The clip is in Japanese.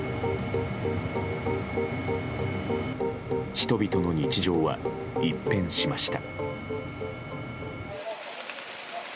人々の日常は一変しました。